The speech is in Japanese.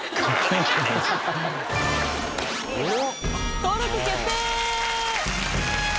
登録決定！